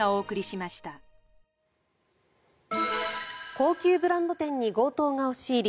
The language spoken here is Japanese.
高級ブランド店に強盗が押し入り